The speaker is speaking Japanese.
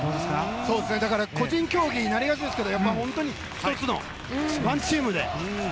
だから個人競技になりがちですけど本当に１つのワンチームで。